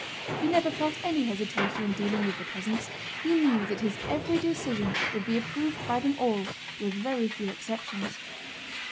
He never felt any hesitation in dealing with the peasants. He knew that his every decision would be approved by them all with very few exceptions.